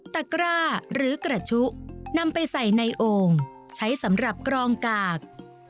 กร้าหรือกระชุนำไปใส่ในโอ่งใช้สำหรับกรองกาก